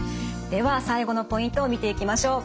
では最後のポイントを見ていきましょう。